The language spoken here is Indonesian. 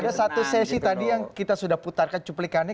ada satu sesi tadi yang kita sudah putarkan cuplikannya